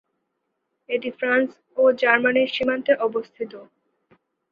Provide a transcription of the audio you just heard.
এটি ফ্রান্স ও জার্মানির সীমান্তে অবস্থিত।